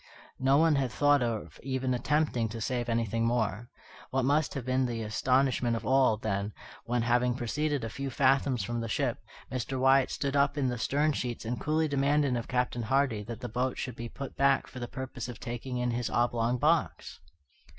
No one had thought of even attempting to save anything more. What must have been the astonishment of all, then, when, having proceeded a few fathoms from the ship, Mr. Wyatt stood up in the stern sheets and coolly demanded of Captain Hardy that the boat should be put back for the purpose of taking in his oblong box!